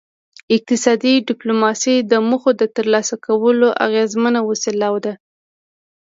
اقتصادي ډیپلوماسي د موخو د ترلاسه کولو اغیزمنه وسیله ده